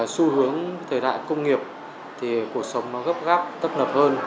xu hướng thời đại công nghiệp thì cuộc sống gấp gấp tất nập hơn